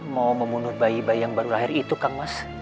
mau membunuh bayi bayi yang baru lahir itu kang mas